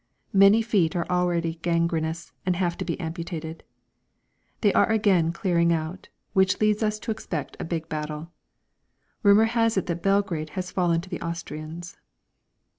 Many feet are already gangrenous and have to be amputated. They are again clearing out, which leads us to expect a big battle. Rumour has it that Belgrade has fallen to the Austrians.